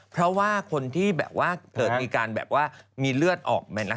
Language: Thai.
เพราะว่าคนที่แบบว่าเกิดมีการแบบว่ามีเลือดออก